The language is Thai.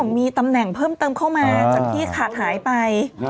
มีตำแหน่งเพิ่มเติมเข้ามาจากที่ขาดหายไป